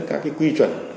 các cái quy chuẩn